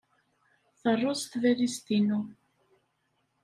Terreẓ tbalizt-inu.